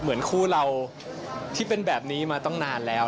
เหมือนคู่เราที่เป็นแบบนี้มาตั้งนานแล้ว